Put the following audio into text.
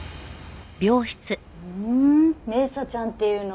ふーん明紗ちゃんっていうの？